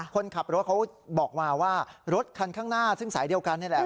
คนขับรถเขาบอกมาว่ารถคันข้างหน้าซึ่งสายเดียวกันนี่แหละ